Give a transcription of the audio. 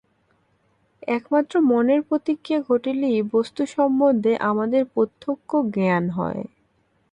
একমাত্র মনের প্রতিক্রিয়া ঘটিলেই বস্তু-সম্বন্ধে আমাদের প্রত্যক্ষ জ্ঞান হয়।